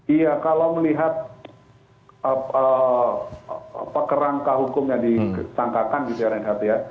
iya kalau melihat perangkah hukum yang disangkakan di prnht ya